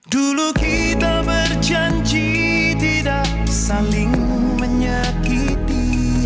dulu kita berjanji tidak saling menyakiti